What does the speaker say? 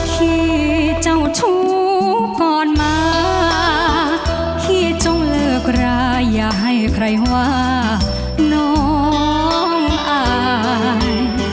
พี่เจ้าทุกข์ก่อนมาพี่จงเลิกร้ายอย่าให้ใครว่าน้องอาย